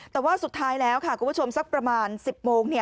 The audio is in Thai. แต่ว่าสุดท้ายแล้วค่ะคุณผู้ชมสักประมาณ๑๐โมง